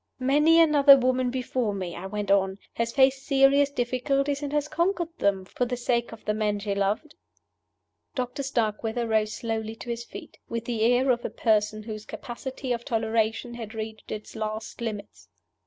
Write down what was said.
"Many another woman before me," I went on, "has faced serious difficulties, and has conquered them for the sake of the man she loved." Doctor Starkweather rose slowly to his feet, with the air of a person whose capacity of toleration had reached its last limits.